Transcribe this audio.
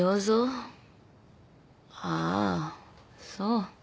ああそう。